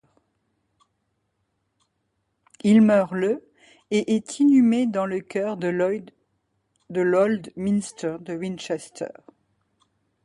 Il meurt le et est inhumé dans le chœur de l'Old Minster de Winchester.